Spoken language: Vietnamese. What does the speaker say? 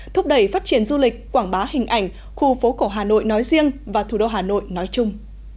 thúc đẩy phát triển du lịch quảng bá hình ảnh khu phố cổ hà nội nói riêng và thủ đô hà nội nói chung